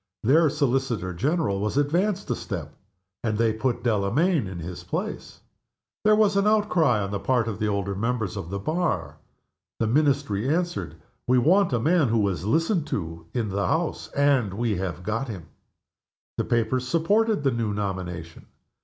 Their Solicitor General was advanced a step, and they put Delamayn in his place. There was an outcry on the part of the older members of the Bar. The Ministry answered, "We want a man who is listened to in the House, and we have got him." The papers supported the new nomination.